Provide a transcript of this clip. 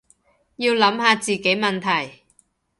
要諗下自己問題